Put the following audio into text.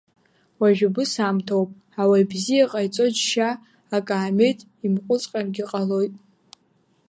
Уажә убыс аамҭоуп, ауаҩ абзиа ҟаиҵо џьышьа акаамеҭ имҟәыҵҟьаргьы ҟалоит.